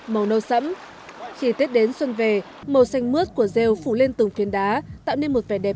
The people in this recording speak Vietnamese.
màu nâu sẫm khi tết đến xuân về màu xanh mướt của rêu phủ lên từng phiền đá tạo nên một vẻ đẹp